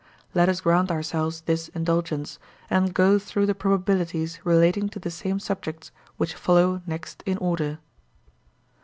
Let us grant ourselves this indulgence, and go through the probabilities relating to the same subjects which follow next in order.